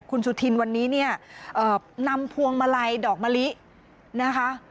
คุณสุธินวันนี้เนี่ยนำพวงมาลัยดอกมะลินะคะ